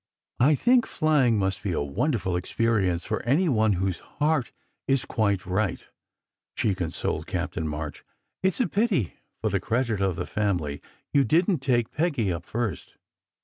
"I think flying must be a wonderful experience for any one whose heart is quite right," she consoled Captain March. "It s a pity, for the credit of the family, you didn t take Peggy up first."